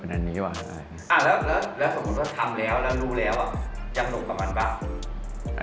แล้วสมมติว่าทำแล้วแล้วรู้แล้วยังนุกกับมันเปล่า